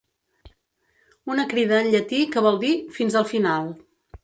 Una crida en llatí que vol dir “fins el final”